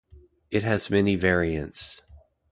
It has many variants.